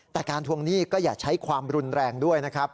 แต่การทวงหนี้ก็อย่าใช้ความรุนแรงด้วยนะครับ